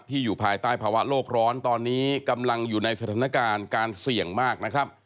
อยู่ภายใต้ภาวะโลกร้อนตอนนี้กำลังอยู่ในสถานการณ์การเสี่ยงมากนะครับ